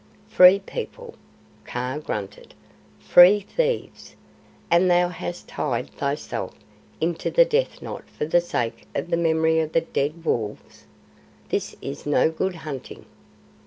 "Free People," Kaa grunted. "Free thieves! And thou hast tied thyself into the death knot for the sake of the memory of the dead wolves? This is no good hunting."